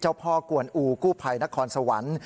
เจ้าพ่อกวนอูลกู้ไพรนครสวรรค์